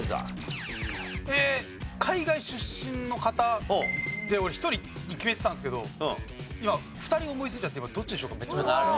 えー海外出身の方で俺１人に決めてたんですけど今２人思いついちゃって今どっちにしようか。